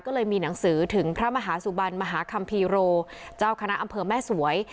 ก็เลยมีหนังสือถึงพระมหาสุบันมหาคัมภีโรเจ้าคณะอำเภอแม่สวย